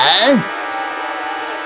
kau akan membayarnya zaran